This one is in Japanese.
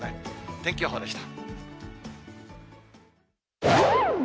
天気予報でした。